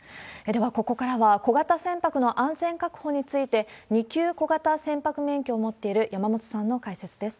では、ここからは小型船舶の安全確保について、２級小型船舶免許を持っている山本さんの解説です。